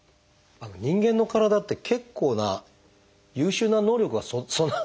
人間の体って結構な優秀な能力が備わっているっていう。